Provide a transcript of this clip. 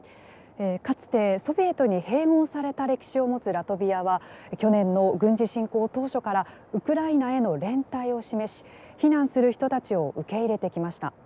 かつてソビエトに併合された歴史を持つラトビアは去年の軍事侵攻当初からウクライナへの連帯を示し避難する人たちを受け入れてきました。